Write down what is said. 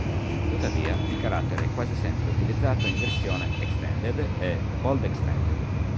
Tuttavia, il carattere è quasi sempre utilizzato in versione "extended" e "bold extended".